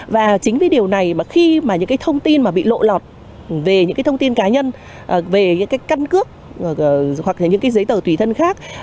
và chính vì điều này mà khi mà những cái thông tin mà bị lộ lọt về những cái thông tin cá nhân về những cái căn cước hoặc những cái giấy tờ tùy thân khác